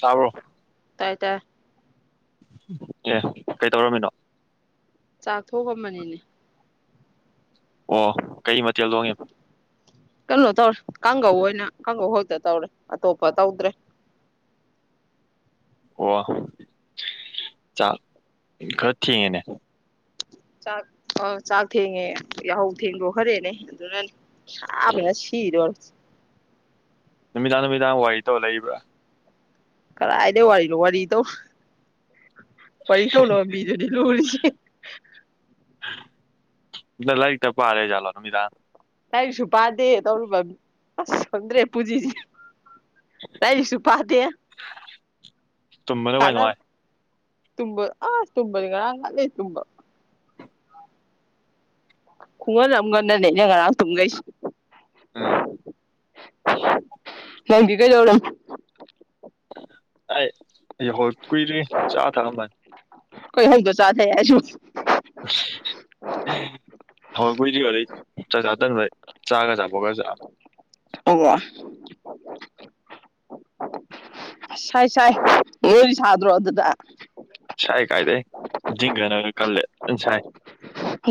ꯇꯥꯕ꯭ꯔꯣ ꯇꯥꯏ ꯇꯥꯏ ꯑꯦ ꯀꯩ ꯇꯧꯔꯝꯃꯤꯅꯣ ꯆꯥꯊꯣꯛꯑꯕꯅꯤꯅꯦ ꯑꯣ ꯀꯩ ꯃꯊꯦꯜ ꯇꯣꯡꯉꯤꯕ ꯀꯜꯅꯣ ꯇꯧꯔ ꯀꯥꯡꯒꯧ ꯑꯣꯢꯅ ꯀꯥꯡꯒꯧ ꯈꯛꯇ ꯇꯧꯔꯦ ꯑꯇꯣꯞꯄ ꯇꯧꯗ꯭ꯔꯦ ꯑꯣ ꯆꯥꯛ ꯈꯔ ꯊꯦꯡꯉꯦꯅꯦ ꯆꯥꯛ ꯑ ꯆꯥꯛ ꯊꯦꯡꯉꯦ ꯌꯥꯍꯧ ꯊꯦꯡꯗꯣ ꯈꯔꯦꯅꯦ ꯑꯗꯨꯅ ꯁꯥꯕꯅ ꯁꯤꯗꯣꯔꯦ ꯅꯨꯃꯤꯗꯥꯡ ꯅꯨꯃꯤꯗꯥꯡ ꯋꯥꯔꯤ ꯇꯧꯔ ꯂꯩꯔꯤꯕ꯭ꯔꯥ ꯀꯥꯔꯥꯏꯗꯩ ꯋꯥꯔꯤ ꯋꯥꯔꯤ ꯇꯧ ꯋꯥꯔꯤ ꯇꯧꯅꯕ ꯃꯤꯗꯨꯗꯤ ꯂꯨꯔꯤꯁꯦ ꯂꯥꯏꯇ ꯄꯥꯔ ꯂꯩꯔꯖꯥꯠꯂꯣ ꯅꯨꯃꯤꯗꯥꯡ ꯂꯥꯏꯔꯤꯛꯁꯨ ꯄꯥꯗꯦ ꯇꯧꯔꯨꯕ ꯑꯁ ꯈꯪꯗ꯭ꯔꯦ ꯄꯨꯖꯤꯁꯦ ꯂꯥꯏꯔꯤꯛꯁꯨ ꯄꯥꯗꯦ [inaudible] ꯇꯨꯝꯕꯅꯣ ꯀ ꯀꯥꯟꯅ ꯅꯨꯡꯉꯥꯏ ꯇꯨꯝꯕ ꯑ ꯇꯨꯝꯝꯕꯗꯤꯒ ꯉꯔꯥꯡ ꯅꯍꯥꯟꯗꯩ ꯇꯨꯝꯕ ꯈꯨꯡꯒꯟ ꯑꯃꯒꯗꯅꯦꯅꯦ ꯉꯔꯥꯡ ꯇꯨꯝꯈꯩꯁꯤ ꯎꯝ ꯅꯪꯗꯤ ꯀꯩ ꯌꯧꯔꯝ ꯑꯩ ꯌꯥꯍꯧ ꯀꯨꯏꯔꯦ ꯆꯥ ꯊꯛꯑꯃꯅꯤ ꯀꯩ ꯍꯧꯗ ꯆꯥ ꯊꯢ ꯌꯥꯁꯨ ꯍꯧꯒꯠ ꯀꯨꯏꯗ꯭ꯔꯤ ꯑꯗꯩ ꯆꯥꯛ ꯆꯥ ꯇꯟꯕꯩ ꯆꯥꯒ ꯑꯆꯥꯄꯣꯠꯀ ꯆꯥꯕ ꯑꯣ ꯁꯥꯏ ꯁꯥꯏ ꯅꯣꯢꯗꯤ ꯁꯥꯗ꯭ꯔꯣ ꯑꯗꯨꯗ ꯁꯥꯏ ꯀꯥꯏꯗ ꯖꯤꯡꯒꯅꯒ ꯀꯜꯂꯦ ꯁꯥꯏ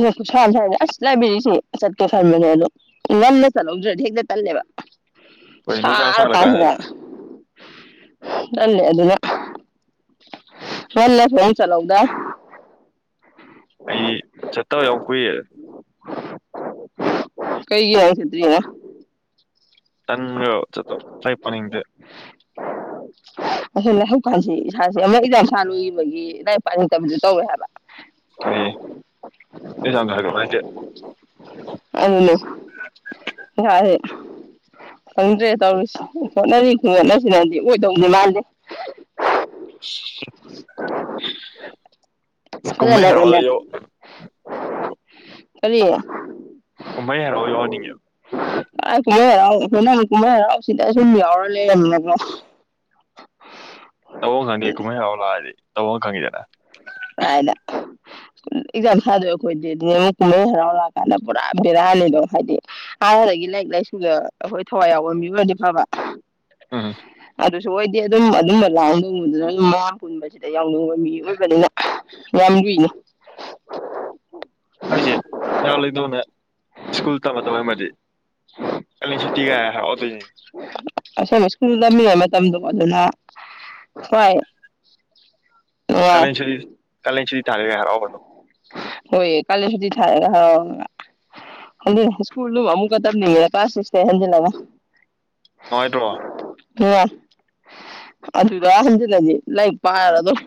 ꯍꯁꯨ ꯁꯥꯢ ꯑꯁ ꯂꯩꯥꯏꯕ꯭ꯔꯦꯔꯤ ꯆꯠꯀꯦ ꯈꯟꯕꯅꯦ ꯑꯗꯣ ꯉꯟꯅ ꯆꯠꯍꯧꯗ꯭ꯔꯗꯤ ꯍꯦꯛꯇ ꯇꯜꯂꯦꯕ ꯍꯣꯏ ꯅꯨꯡꯁꯥ ꯁꯥꯜꯂꯀꯥꯟꯗꯗꯤ ꯁꯥꯔꯀꯥꯟꯖꯤꯗ ꯗꯜꯂꯦ ꯑꯗꯨꯒ ꯍꯂ ꯐꯣꯟꯣꯟ ꯆꯂꯧꯗ ꯑꯩ ꯆꯠꯇꯕ ꯌꯥꯎ ꯀꯨꯏꯌꯦ ꯀꯩꯒꯤ ꯈꯦꯇꯔꯤꯅ ꯇꯟꯒ꯭ꯔꯕ ꯆꯠꯇꯧꯕ ꯂꯥꯢꯄꯅꯤꯗ ꯑꯁꯣ ꯂꯥꯏꯍꯛ ꯄꯥꯟꯁꯤ ꯏꯁꯥꯥꯁ ꯑꯃꯛ ꯏꯟꯖꯥꯡꯁꯥ ꯂꯨꯏꯕꯒꯤ ꯂꯥꯏꯔꯤꯛ ꯄꯥꯅꯤꯡꯇꯕꯁꯨ ꯇꯧꯋꯦ ꯍꯥꯏꯕ ꯑꯦꯛꯖꯥꯝꯖꯨ ꯍꯥꯢꯗꯣꯛ ꯅꯥꯏꯗꯦ ꯑꯗꯨꯅꯦ ꯏꯁꯥꯖꯦ ꯈꯪꯗ꯭ꯔꯦ ꯇꯧꯔꯤꯁꯤ ꯍꯣꯠꯅꯔꯤ ꯈꯨꯍꯣꯠꯅꯁꯤꯅꯗꯤ ꯑꯣꯏ ꯗꯧꯗꯤ ꯃꯥꯟꯗꯦ [inaudible] ꯀꯨꯝꯃꯩ ꯐꯖꯅ ꯑꯣꯏꯅ ꯍꯥꯏꯔꯥꯎꯗꯁꯨ ꯀꯔꯤ ꯀꯨꯝꯃꯩ ꯍꯥꯏꯔꯛꯑꯣ ꯌꯥꯎꯅꯤꯡꯉꯦꯕ ꯑꯥꯏ ꯀꯨꯝꯍ ꯍꯔꯥꯎꯑꯣ ꯍꯣꯏ ꯅꯪ ꯀꯨꯝꯍ ꯍꯔꯥꯎ ꯁꯤꯗ ꯁꯨꯝ ꯌꯥꯎꯔ ꯂꯩꯔꯃꯤꯅꯀꯣ ꯇꯧꯕꯝ ꯈꯪꯗꯦ ꯀꯨꯝꯃꯩ ꯍꯔꯥꯎ ꯂꯥꯀꯗꯤ ꯇꯧ ꯈꯪꯉꯤꯗꯦꯅ ꯀꯥꯏꯅ ꯑꯦꯛꯖꯥꯝ ꯁꯥꯗꯣꯏ ꯑꯩꯈꯣꯏꯗꯤ ꯑꯗꯨ ꯑꯃꯨꯛ ꯀꯨꯝꯍꯩ ꯍꯔꯥꯎꯔꯥꯛꯑꯀꯥꯟꯗ ꯄꯨꯔꯥ ꯕꯦꯔꯛꯑꯅꯤꯗꯣ ꯍꯥꯏꯗꯤ ꯍꯥꯟꯅꯗꯒꯤ ꯂꯥꯏꯔꯤꯛ ꯂꯥꯏꯁꯨꯗ ꯑꯩꯈꯣꯏ ꯊꯋꯥꯏ ꯌꯥꯎꯕꯕꯤꯕꯗꯤ ꯐꯕ ꯎꯝ ꯑꯗꯨꯁꯨ ꯑꯣꯏꯗꯤ ꯑꯗꯨꯝ ꯑꯗꯨꯝꯕ ꯂꯥꯛꯑꯗꯣꯡꯕꯗꯨꯅ ꯑꯗꯨꯝ ꯃꯌꯥꯝ ꯄꯨꯟꯕꯁꯤꯗ ꯌꯥꯎꯅꯤꯡꯕ ꯃꯤ ꯑꯣꯏꯕꯅꯤꯅ ꯌꯥꯝ ꯂꯨꯏꯅꯦ ꯑꯩꯁꯦ ꯅꯍꯥꯛ ꯂꯩꯗꯧꯅ ꯁ꯭ꯀꯨꯜ ꯇꯝꯕ ꯇꯧꯃꯗꯤ ꯀ ꯁꯨꯇꯤꯒꯥꯏ ꯍꯥꯏꯔꯛꯑꯣꯗꯣꯏꯅꯤ ꯑꯁꯦꯡꯕ ꯁ꯭ꯀꯨꯜ ꯇꯝꯃꯤꯉꯩ ꯃꯇꯝꯗꯣ ꯑꯗꯨꯅ ꯍꯣꯏ ꯅꯨꯡꯉꯥꯏ ꯀꯂꯦꯟ ꯁꯨꯇꯤ ꯀꯥꯂꯦꯟ ꯁ ꯍꯣꯏ ꯀꯂꯦꯟ ꯁꯨꯇꯤ ꯊꯑꯒ ꯁ꯭ꯀꯨꯜ ꯑꯃꯨꯀ ꯇꯝꯅꯤꯡꯉꯦ ꯀ꯭ꯂꯥꯁ ꯁꯤꯛꯁꯇꯩ ꯍꯟꯖꯤꯂꯒ ꯅꯨꯉꯥꯏꯇ꯭ꯔꯣ ꯑꯗꯨꯗ ꯍꯟꯖꯤꯜꯂꯗꯤ ꯂꯥꯏꯔꯤꯛ ꯄꯥꯔꯒ ꯑꯗꯨꯝ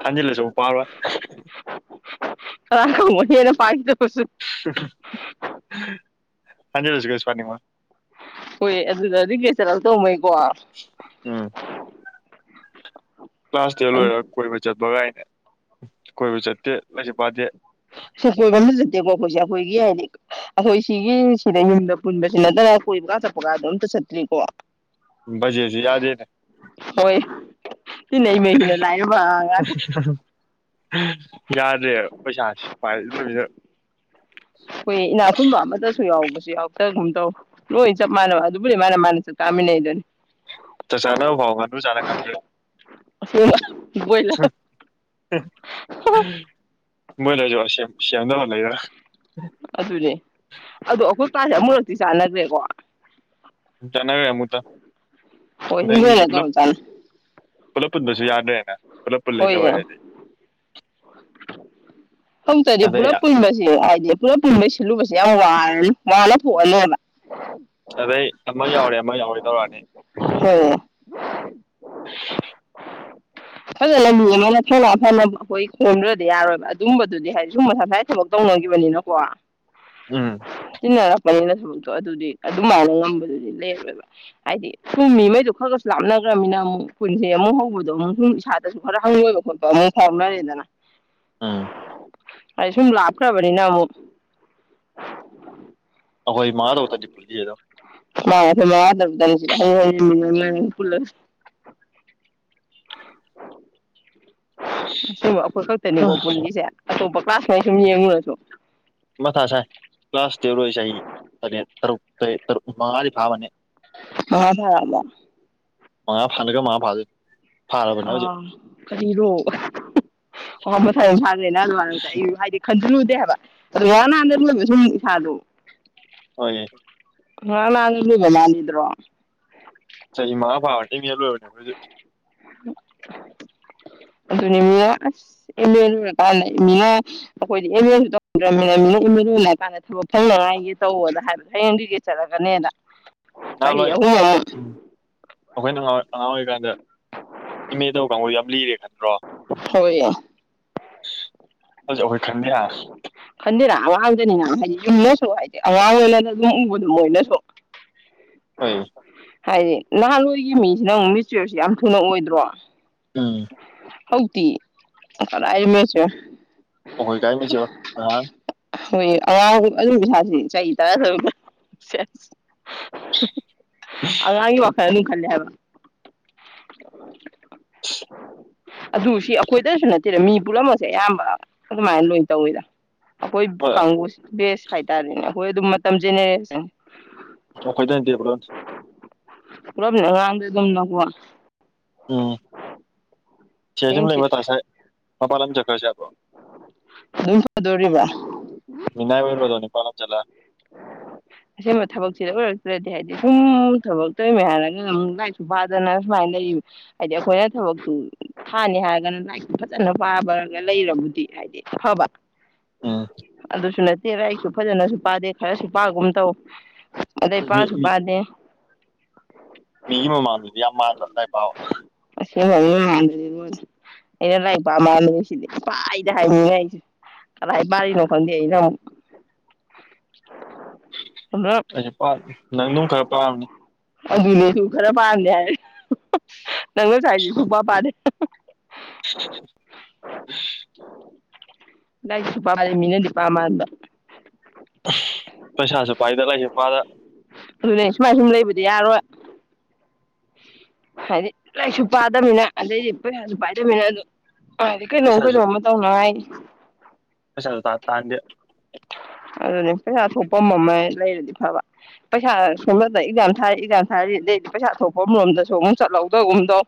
ꯈꯟꯖꯤꯜꯂꯁꯨ ꯑꯃꯨꯛ ꯄꯥꯔꯣꯏ ꯑ ꯍꯦꯟꯅ ꯄꯥꯒꯤꯗꯕꯖꯨ ꯍꯟꯖꯤꯂꯁꯨ ꯀꯩꯁꯨ ꯄꯥꯅꯤꯡꯉꯣꯢ ꯍꯣꯏꯌꯦ ꯑꯗꯨ ꯔꯤꯒ꯭ꯔꯦꯗ ꯆꯠꯂꯛꯇꯧꯃꯩ ꯀꯣ ꯎꯝ ꯀ꯭ꯂꯥꯁ ꯇꯦꯟ ꯂꯣꯏꯔꯒ ꯀꯣꯏꯕ ꯆꯠꯄꯒꯥꯏ ꯀꯣꯏꯕꯨ ꯆꯠ ꯇꯦ ꯂꯥꯢꯔꯤꯛꯁꯨ ꯄꯥꯗꯦ ꯀꯣ ꯑꯩꯈꯣꯏꯁꯦ ꯑꯩꯈꯣꯏꯒꯤ ꯍꯥꯏꯗꯤ ꯑꯩꯈꯣꯏ ꯁꯤꯒꯤ ꯁꯤꯗ ꯍꯨꯝꯕ ꯄꯨꯟꯕꯁꯤ ꯅꯠꯇꯅ ꯀꯣꯏꯕꯀꯥ ꯆꯠꯄꯒꯥꯗꯝꯇ ꯆꯠꯇ꯭ꯔꯤꯀꯣ ꯖꯦꯁꯨ ꯌꯥꯗ ꯌꯦꯗ ꯇꯤꯅꯩꯃꯩꯖꯤꯅ ꯂꯥꯏꯔꯕꯉꯥꯛꯇ ꯌꯥꯗ꯭ꯔꯦ ꯄꯩꯁꯥ ꯄꯥꯏꯗꯕꯤꯗ ꯑꯩꯈꯣꯏ ꯏꯅꯥꯈꯨꯟꯕ ꯑꯃꯗꯨ ꯌꯥꯎ ꯂꯧꯕꯁ ꯌꯥꯎꯇꯒꯨꯝ ꯇꯧ ꯂꯣꯏ ꯆꯞ ꯃꯥꯟꯅꯕ ꯑꯗꯨꯕꯨꯗꯤ ꯃꯥꯅ ꯃꯥꯅ ꯆꯞ ꯇꯥꯃꯤꯟꯅꯩꯗꯨꯅꯤ ꯆꯥꯅꯐꯥꯎ ꯉꯥꯅꯨ ꯆꯥꯅ ꯉꯝꯗ꯭ꯔꯦ ꯑꯁꯦꯡꯕ ꯍ ꯕꯣꯏꯂꯔ ꯍ ꯍ ꯕꯣꯢꯂꯔꯖꯨ ꯑꯁꯦꯝꯕ ꯁꯦꯝꯗꯕ ꯂꯩꯔꯒ ꯑꯗꯨꯅꯦ ꯑꯗꯨ ꯑꯩꯈꯣꯏ ꯄꯥ ꯑꯃꯨꯔꯇꯤ ꯆꯥꯟꯅꯗ꯭ꯔꯦꯀꯣ ꯅꯋꯦ ꯑꯃꯨꯛꯇ ꯑꯣ ꯑꯗꯩ ꯍꯤꯡꯅ ꯃꯤꯁꯨ ꯇꯣ ꯄꯨꯂꯞ ꯆꯅ ꯄꯨꯂꯞ ꯄꯨꯟꯕꯁꯨ ꯌꯥꯗ꯭ꯕꯅ ꯄꯨꯂꯞ ꯄꯨꯜꯂꯦ ꯇ ꯍꯣꯏ ꯍꯧꯆꯔꯤ ꯄꯨꯂꯞ ꯄꯨꯟꯕꯁꯦ ꯍꯥꯏꯗꯤ ꯄꯨꯂꯞ ꯄꯨꯟꯕ ꯁꯤꯜꯂꯨꯕꯁꯦ ꯌꯥꯝ ꯋꯥ ꯃꯥꯂ ꯄꯅ ꯑꯗꯩ ꯑꯃ ꯌꯥꯎꯔꯦ ꯑꯃ ꯌꯥꯎꯔꯦ ꯇꯧꯔꯛꯑꯅꯤ ꯍꯣꯏ ꯐꯖꯅ ꯃꯤ ꯑꯃꯅ ꯊꯧꯅꯥ ꯐꯅꯕ ꯑꯩꯈꯣꯏ ꯁꯣꯟꯗ꯭ꯔꯗꯤ ꯌꯥꯔꯣꯏꯕ ꯑꯗꯨꯝꯕꯗꯨꯗꯤ ꯍꯥꯏꯗꯤ ꯁꯨꯝ ꯃꯁꯁꯥꯏ ꯊꯕꯛ ꯇꯧꯅꯈꯤꯕꯅꯤꯅꯀꯣ ꯎꯝ ꯆꯤꯟꯅꯔꯄꯅꯤꯅ ꯊꯕꯛꯇꯣ ꯑꯗꯨꯗꯤ ꯑꯗꯨꯃꯥꯏꯅ ꯉꯝꯕꯗꯨꯗꯤ ꯂꯩꯔꯃꯦꯕ ꯍꯥꯏꯗꯤ ꯁꯨꯝ ꯃꯤꯉꯩꯗꯣ ꯈꯔ ꯈꯁꯨ ꯂꯥꯞꯅꯈ꯭ꯔꯕꯅꯤꯅ ꯑꯃꯨꯛ ꯀꯨꯟꯁꯦ ꯑꯃꯨꯛ ꯍꯧꯕꯗꯣ ꯑꯃꯨꯛ ꯏꯁꯥꯗꯁꯨ ꯈꯔ ꯍꯪꯪꯂꯣꯏꯕ ꯈꯣꯠꯄ ꯑꯃꯨꯛ ꯐꯥꯎꯅꯔꯦꯗꯅ ꯎꯝ ꯑꯩ ꯁꯨꯝ ꯂꯥꯛ ꯀ꯭ꯔꯕꯅꯤꯅꯃꯛ ꯑꯍꯣꯏ ꯃꯥꯗꯧ ꯇꯗꯤ ꯐꯗꯣ [unintelligible] ꯑꯁꯦꯡꯕ ꯑꯩꯈꯣꯏ ꯈꯛꯇꯅꯤꯀꯣ ꯄꯨꯟꯂꯤꯁꯦ ꯑꯇꯣꯞꯄ ꯀ꯭ꯂꯥꯁꯉꯩ ꯁꯨꯝ ꯌꯦꯡꯉꯨꯔꯁꯨ ꯃꯊꯥ ꯁꯥꯏ ꯀ꯭ꯂꯥꯁ ꯇ ꯂꯣꯏꯁꯦ ꯑꯩ ꯇꯔꯦꯠ ꯇꯔꯨꯛꯛꯇꯦꯠ ꯃꯉꯥ ꯐꯥꯔꯛꯑꯕꯣ ꯃꯥ ꯐꯥꯟꯀꯦ ꯃꯥ ꯐꯜ ꯑ ꯀꯔꯤꯔꯣ ꯑꯣ ꯃꯁꯥꯏ ꯑꯗꯨꯝ ꯐꯖꯅꯃ ꯑꯩ ꯍꯥꯏꯗꯤ ꯈꯟꯖꯤꯜꯂꯨꯗꯦ ꯍꯥꯏꯕ ꯑꯗꯨ ꯉꯍ ꯅꯍꯥꯟꯗ ꯂꯕ ꯁꯨꯝ ꯏꯁꯥꯗꯣ ꯍꯣꯏ ꯍꯥ ꯅꯪ ꯏꯕ ꯅꯅꯤꯗ꯭ꯔꯣ ꯆꯍꯤ ꯃꯥꯉꯥ ꯄꯥꯕꯔꯗ ꯃꯤꯍ ꯂꯣꯏꯕꯅꯦ ꯃꯣꯏꯁꯨ ꯑꯗꯨꯅꯤ ꯃꯤꯅ ꯑꯁ ꯑꯦꯝ ꯑꯦ ꯂꯣꯏꯔꯀꯥꯟꯗ ꯃꯤꯅ ꯑꯩꯈꯣꯏꯗꯤ ꯑꯦꯝ ꯑꯦꯁꯨ ꯇꯧꯗ꯭ꯔꯕꯅꯤꯅ ꯃꯤꯅ ꯑꯦꯝ ꯑꯦ ꯂꯣꯏꯅꯔ ꯀꯥꯟꯗ ꯊꯕꯛ ꯐꯪꯅꯉꯥꯏꯒꯤ ꯇꯧꯕꯗ ꯍꯥꯏꯕꯗꯣ ꯍꯌꯦꯡꯗꯨꯒꯦ ꯆꯠꯂꯀꯅꯤꯗ ꯅꯍꯂꯣꯏ ꯎꯝ ꯑꯣꯈꯣꯏ ꯅꯨꯡꯉꫭꯏ ꯑꯣꯏ ꯀꯥꯟꯗꯦ [unintelligible] ꯌꯝ ꯂꯤꯔꯦ ꯈꯟꯗ꯭ꯔꯣ ꯍꫭꯏ ꯍꯧꯖꯤꯛ ꯑꯈꯣꯏ ꯈꯟꯗ ꯑꯋꯥꯥꯡꯗꯅꯤꯅ ꯍꯥꯏꯗꯤ ꯌꯨꯝꯗꯁꯨ ꯍꯥꯏꯗꯤ ꯑꯋꯥꯥꯡ ꯑꯣꯏꯅ ꯑꯗꯨꯝ ꯎꯕꯗꯣ ꯃꯣꯏꯅꯁꯨ ꯍꯣꯏ ꯍꯥꯏꯗꯤ ꯅꯍꯥꯟꯋꯥꯏꯒꯤ ꯃꯤꯁꯤꯅ ꯑꯃꯨꯛ ꯃꯦꯆꯨꯋꯔꯁꯤ ꯌꯥꯝ ꯊꯨꯅ ꯑꯣꯏꯗ꯭ꯔꯣ ꯑꯥ ꯍꯧꯇꯤ ꯀꯗꯥꯏꯗꯩ ꯃꯦꯆꯤꯌꫭꯔ ꯍꯣꯏ ꯀꯥꯏ ꯃꯤ ꯍꯣꯏ ꯑꯉꯥꯡ ꯑꯗꯨꯝ ꯁꯥꯁꯤ ꯆꯍꯤ ꯇꯔꯥ ꯇꯨꯛ ꯑꯉꯥꯡꯒꯤ ꯋꯥ ꯋꯥꯈꯜ ꯈꯜꯂꯦ ꯍꯥꯏꯕ [inaudible] [inaudible] ꯑꯗꯨ ꯁꯤ ꯑꯩꯈꯣꯏꯗꯁꯨ ꯅꯠꯇꯦꯗ ꯃꯤ ꯄꯨꯝꯅꯃꯛꯁꯦ ꯑꯌꯥꯝꯕ ꯑꯗꯨꯃꯥꯏꯅ ꯂꯣꯏ ꯇꯧꯋꯤꯗ ꯑꯈꫭꯏ ꯍꯣꯏ ꯀꯡꯒꯨꯁꯤ ꯕꯦꯁ ꯍꯥꯏꯇꯥꯔꯦꯅꯦ ꯍꯣꯏ ꯑꯗꯨꯝ ꯃꯇꯝ ꯆꯦꯟꯅꯔꯦ ꯑꯣꯈꯣꯏꯗ ꯗꯦꯕ꯭ꯔꯣ ꯄꯨ ꯂꯥꯡꯗ ꯑꯗꯨꯝ ꯅꯀꯣ ꯑ ꯆꯦꯁꯤꯝ ꯍꯌꯦꯡ ꯂꯩꯕ ꯆꯤꯠ ꯇꯥꯁꯦ ꯃꯄꯥ ꯂꯝ ꯆꯟꯀꯁꯤ ꯑꯗꯨꯝ ꯐꯗꯣꯔꯤꯕ ꯃꯤꯅꯥꯏ ꯑꯣꯏꯔꯕꯗꯣꯅꯤꯄꯥꯥꯂ ꯆꯠꯂ ꯑꯁꯦꯡꯕ ꯊꯕꯛꯁꯤꯗ ꯑꯣꯏꯔꯛꯇ꯭ꯔꯗꯤ ꯍꯥꯏꯗꯤ ꯁꯨꯝ ꯊꯕꯛ ꯇꯧꯔꯤꯃꯦ ꯍꯥꯏꯔꯒꯅ ꯑꯗꯨꯝ ꯂꯥꯏꯔꯤꯛꯁꯨ ꯄꯥꯗꯅ ꯁꯨꯃꯥꯏꯅ ꯂꯩ ꯍꯥꯏꯗꯤ ꯑꯩꯈꯣꯏꯅ ꯊꯕꯛꯇꯨ ꯐꯥꯅꯤ ꯍꯥꯏꯔꯒꯅ ꯂꯥꯏꯔꯤꯛꯇꯨ ꯐꯖꯅ ꯄꯥꯕꯒ ꯂꯩꯔꯕꯨꯗꯤ ꯍꯥꯏꯗꯤ ꯑꯐꯕ ꯎꯝ ꯑꯗꯨꯁꯨꯅꯠ [unintelligible] ꯑꯩꯁꯨ ꯐꯖꯅꯁꯨ ꯄꯥꯗꯦ ꯈꯔꯁꯨ ꯄꯒꯨꯝ ꯇꯧ ꯑꯗꯩ ꯃꯤ ꯄꯥꯁꯨ ꯃꯤ ꯄꯥꯗꯦ ꯃꯤꯒꯤ ꯃꯃꯥꯡꯗꯗꯤ ꯌꯥꯝ ꯃꯥꯟꯕ ꯂꯥꯏ ꯄꯕ ꯑꯁꯦꯡꯕ ꯃꯤꯃꯥꯡꯗꯗꯤ ꯂꯣꯏꯔꯦ ꯑꯩꯅ ꯂꯥꯏꯔꯤꯛ ꯄꯥ ꯃꯥꯟꯁꯤꯗꯤ ꯄꯥꯏꯗ ꯍꯥꯏ ꯃꯤꯅ ꯑꯩꯁꯨ ꯀꯗꯥꯥꯏ ꯄꯥꯔꯤꯅꯣ ꯈꯪꯗꯦ ꯑꯩꯅ ꯑꯃꯨꯛ [unintelligible] ꯑꯩꯁꯨ ꯄꯥꯗꯦ ꯅꯪꯗꯨꯝ ꯈꯔ ꯄꯥꯝꯅꯤ ꯑꯗꯨꯅꯦ ꯑꯩꯁꯨ ꯈꯔ ꯄꯥꯔꯝꯃꯦ ꯅꯪ ꯉꯁꯥꯏꯁꯨ ꯁꯨꯡꯄꯥ ꯄꯥꯗꯦ [unintelligible] ꯂꯥꯏꯔꯤꯛꯁꯨꯄꯥ ꯄꯥꯗꯦ ꯃꯤꯅꯗꯤ ꯄꯥ ꯃꯥꯟꯕ ꯄꯩꯁꯥꯁꯨ ꯄꯥꯏꯗ ꯂꯥꯏꯔꯤꯛꯁꯨ ꯄꯥꯗ ꯑꯗꯨꯅꯦ ꯁꯨꯃꯥꯏ ꯁꯨꯝ ꯂꯩꯕꯗꯤ ꯌꯥꯔꯣꯏ ꯍꯥꯏꯗꯤ ꯂꯥꯏꯔꯤꯛꯁꯨ ꯄꯥꯗꯕꯃꯤꯅ ꯑꯗꯩꯗꯤ ꯄꯩꯁꯥꯁꯨ ꯄꯥꯏꯗꯃꯤꯅ ꯑꯗꯨ ꯀꯩꯅꯣꯝ ꯀꯩꯅꯣꯝꯃ ꯇꯧꯅꯉꯥꯏ ꯄꯩꯁꯥ ꯁꯨꯇꯥꯟ ꯇꯥꯟꯗꯦ ꯑꯗꯨꯅꯦ ꯄꯩꯁꯥ ꯊꯣꯛꯄ ꯑꯃ ꯂꯩꯔꯗꯤ ꯐꯕ ꯄꯩꯁꯥ [unintelligible] ꯑꯦꯛꯖꯥꯝ ꯊꯥꯔꯤ ꯑꯦꯛꯖꯥꯝ ꯊꯥꯔ ꯑꯗꯩꯗꯤ ꯄꯩꯁꯥ ꯊꯣꯛ ꯍꫭꯝ ꯔꯣꯝꯗꯁꯨ ꯑꯃꯨꯛ ꯆꯠꯍꯧꯗꯒꯨꯝ ꯇꯧ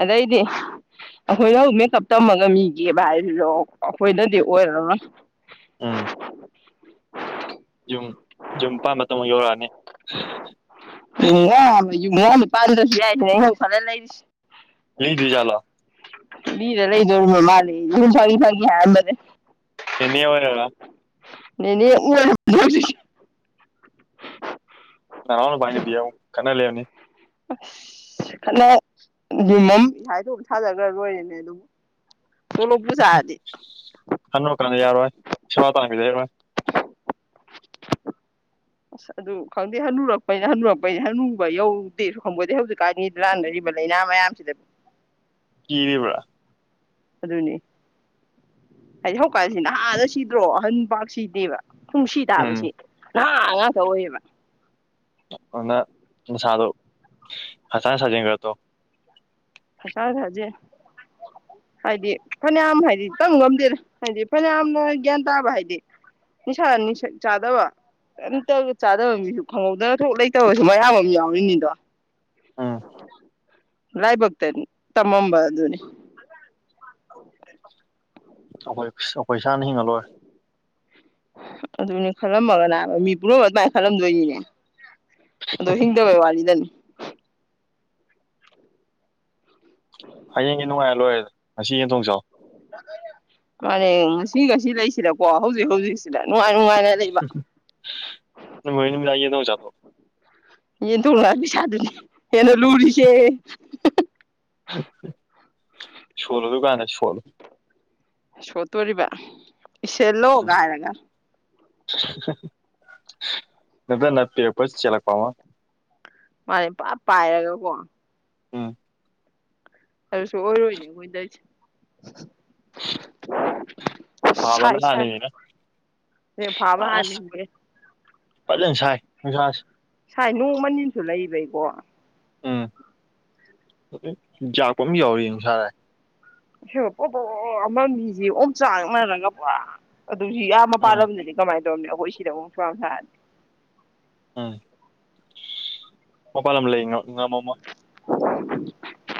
ꯑꯗꯩꯗꯤ ꯑꯩꯈꯣꯏꯅ ꯑꯃꯨꯛ ꯃꯦꯀꯞ ꯇꯝꯃꯒ ꯃꯤꯒꯤ [unintelligible] ꯑꯩꯈꯣꯏꯅꯗꯤ ꯑꯣꯏꯔꯔꯣꯏ ꯎꯝ ꯌꯨꯝ ꯌꯨꯝ ꯄꯥꯟ ꯃꯇꯝ ꯑꯃꯨꯛ ꯌꯧꯔꯛꯑꯅꯤ [unintelligible] ꯌꯨꯝ [unintelligible] ꯑꯩꯅ ꯈꯜꯂ ꯂꯩꯔꯤꯁꯦ ꯂꯩꯗꫭꯏꯖꯂꫭ [unintelligible] ꯍꯥꯏꯝꯕꯅꯦ ꯑꯦꯃꯦ ꯑꯣꯏꯔꯒ ꯅꯦꯅꯦ [unintelligible] ꯅꯅꯥꯎ ꯅꯨꯄꯥꯏ ꯅꯨꯄꯤꯒ ꯑꯃꯨꯛ ꯈꯠꯅ ꯂꯩꯔꯝꯅꯤ ꯑꯁ ꯈꯠꯅ ꯌꯨꯝ ꯑꯃ ꯏꯁꯥꯏꯗꯣꯛ ꯁꯥꯖꯈ꯭ꯔ ꯂꯣꯏꯔꯦꯅꯦ ꯑꯗꯨꯝ ꯍꯅꯨꯔꯀꯥꯟ ꯌꯥꯔꯣꯏ ꯁꯦꯕ ꯇꯧꯅꯃꯤꯂꯩꯔꫭꯏ ꯑꯁ ꯑꯗꯨ ꯈꯪꯗꯦ ꯍꯟꯅꯨꯔꯛꯄꯩꯅ ꯍꯟꯅꯨꯔꯛꯄꯩꯅꯤ ꯍꯟꯅꯨꯕ ꯌꯧꯗꯦꯁꯨ ꯈꯪꯄꫭꯇꯦ ꯍꯧꯖꯤꯛꯀꯥꯟꯒꯤ ꯅꯥꯅꯔꯤꯕ ꯂꯩꯅꯥ ꯃꯌꯥꯝꯁꯤꯗ ꯀꯤꯔꯤꯕ꯭ꯔ ꯑꯗꯨꯅꯤ ꯍꯥꯏꯗꯤꯍꯧ ꯀꯥꯟꯁꯤ ꯅꯍꯥꯅ ꯁꯤꯗ꯭ꯔꯣ ꯑꯍꯟ ꯄꯥꯛꯁꯤꯗꯦꯕ ꯈꯨꯡꯁꯤ ꯎꯝ ꯇꯥꯕꯁꯤ ꯅꯍꯥꯉꯥꯛꯇ ꯑꯣꯏꯌꯦꯕ ꯑꯗꯨꯅ ꯅꯁꯥꯗꫭ ꯍꯛꯆꯥꯡ ꯁꯥꯖꯦꯜ ꯈꯔ ꯇꯧ ꯍꯥꯛꯆꯥꯡꯁꯥꯖꯦꯜ ꯍꯥꯏꯗꯤ ꯐꯅꯌꯥꯝ ꯍꯥꯏꯗꯤ ꯇꯝ ꯉꯝꯗꯦꯗ ꯍꯥꯏꯗꯤ ꯐꯅꯌꯥꯝꯅ ꯒ꯭ꯌꯥꯟ ꯇꯥꯕ ꯍꯥꯏꯗꯤ ꯅꯤꯁꯥ ꯅꯤꯁꯥ ꯆꯥꯗꯕꯇ ꯀꯩꯝꯇ ꯆꯥꯗꯕ ꯃꯤꯁꯨ ꯈꯪꯍꯧꯗꯅ ꯊꯣꯛ ꯂꯩꯇꯕꯁꯨ ꯃꯌꯥꯝ ꯑꯃ ꯌꯥꯎꯔꯤꯅꯤꯗꯣ ꯎꯝ ꯂꯥꯏꯕꯣꯛ ꯇ ꯇꯃꯝꯕ ꯑꯗꯨꯅꯤ ꯑꯩꯈꯣꯏ ꯑꯩꯈꯣꯏ ꯏꯁꯥꯅ ꯍꯤꯡꯉꯂꯣꯏꯔꯦ ꯑꯗꯨꯅꯦ ꯈꯜꯂꯝꯃꯒꯅꯥ ꯃꯤ ꯄꯨꯔꯃ ꯑꯗꯨꯃꯥꯏꯅ ꯈꯜꯂꯝꯗꯣꯏꯅꯤꯅꯦ ꯑꯗꯣ ꯍꯤꯡꯗꯕꯩ ꯋꯥꯂꯤꯗꯅꯤ ꯍꯌꯦꯡꯒꯤ ꯅꯨꯡꯉꯥꯏꯔ ꯂꯣꯏꯔꯦ ꯉꯁꯤ ꯌꯦꯟ ꯊꯣꯡꯆꯥꯎ ꯃꯥꯅꯦ ꯉꯁꯤ ꯉꯁꯤ ꯂꯩꯁꯤꯗꯀꯣ ꯍꯧꯖꯤꯛ ꯍꯧꯖꯤꯛꯁꯤꯗ ꯅꯨꯡꯉꯥꯏ ꯅꯨꯡꯉꯥꯏꯅ ꯂꯩꯕ ꯃꯣꯏꯍꯤꯅ ꯃꯤ ꯂꯏ ꯅ ꯆꯥꯊꯣ ꯌꯦꯟ ꯇꯣꯡꯂꯕꯤ ꯁꯥꯥꯗꯨꯅꯤ ꯑꯦꯅ ꯂꯨꯔꯤꯁꯦ ꯁꯣꯂꯣꯗꯨꯀꯥꯟ ꯁꯣꯂꯣ ꯁꯣꯠꯇꯣꯔꯤꯕ ꯏꯁꯁꯦꯂꯣꯒ ꯍꯥꯢꯔꯒ ꯅꯠꯇꯄꯁ ꯆꯂ ꯄꯃ ꯃꯥꯅꯤ ꯄ ꯄꯥꯏꯔꯒꯀꯣ ꯎꯝ ꯑꯗꯨꯁꯨ ꯑꯣꯏꯔꯣꯏꯅꯦ ꯃꯣꯏꯗꯁꯦ [inaudible] ꯁꯥꯏ ꯐꯥꯕꯅ ꯁꯥꯏ ꯊꯅꯤꯅ ꯑꯗꯩ ꯐꯥꯕ ꯑꯁ ꯍꯥꯟꯅꯤꯡꯕꯒꯤ ꯄꯖ ꯁꯥꯏ ꯅꯣꯡꯃꯅꯤꯟꯁꯨ ꯂꯩꯕꯩꯀꯣ ꯎꯝ ꯌꯥꯥꯛꯄ ꯑꯃ ꯌꯥꯎꯔꯤ ꯅꯨꯡꯁꯥꯥꯔꯥꯢ ꯍꯦꯕ ꯄꯣꯄꯣ ꯑꯃ ꯃꯤꯁꯦ ꯑꯣꯝ ꯆꯥꯡꯅꯔꯒ ꯄꯨꯔꯥ ꯑꯗꯨ ꯁꯤ ꯎꯝ ꯌꯥꯝꯕꯥꯂꯝꯅꯤ ꯀꯃꯥꯏꯅ ꯇꯧꯝꯃꯤꯅ ꯈꯣꯢ ꯁꯤꯗꯕꯨ ꯁꯋꯥꯝ ꯁꯥꯔꯗꯤ ꯎꯝ ꯃꯄꯥꯂꯝ ꯂꯩ ꯉꯃꯝꯃꯣꯢ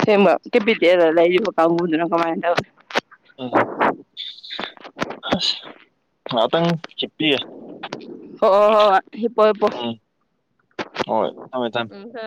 ꯁꯦꯝꯃ ꯀꯦꯄꯤꯇꯦꯜꯗ ꯂꯩꯕ ꯀꯥꯎꯕꯨꯗꯅꯣ ꯀꯃꯥꯏꯅ ꯇꯧ ꯎꯝ ꯑꯁ ꯉꯥꯛꯇꯪ ꯆꯤꯞꯄꯤꯒꯦ ꯍꯣ ꯍꯣ ꯍꯣꯍꯣꯢ ꯍꯤꯄꯣ ꯍꯤꯄꯣ ꯍꯣꯏ ꯊꯝꯃꯦ ꯊꯝꯃꯦ ꯎ ꯍ